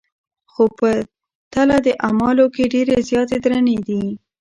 خو په تله د اعمالو کي ډېرې زياتي درنې دي